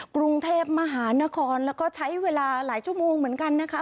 กรุงเทพมหานครแล้วก็ใช้เวลาหลายชั่วโมงเหมือนกันนะคะ